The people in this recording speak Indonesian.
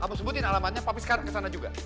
kamu sebutin alamatnya papi sekarang kesana juga